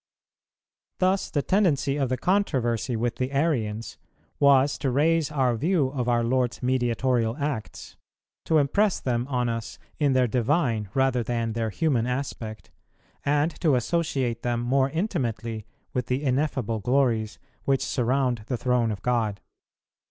Thus the tendency of the controversy with the Arians was to raise our view of our Lord's Mediatorial acts, to impress them on us in their divine rather than their human aspect, and to associate them more intimately with the ineffable glories which surround the Throne of God.